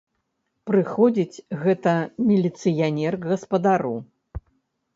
Прыходзіць гэта міліцыянер к гаспадару.